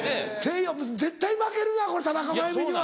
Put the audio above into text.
絶対負けるな田中真弓には！